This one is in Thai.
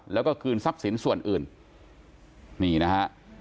แล้วก็คืนทรัพย์สินส่วนอื่นนี่นะฮะ